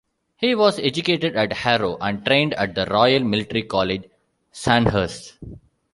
He was educated at Harrow and trained at the Royal Military College, Sandhurst.